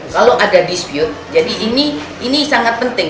kalau ada dispute jadi ini sangat penting